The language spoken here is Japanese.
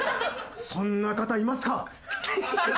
そんな方いますか！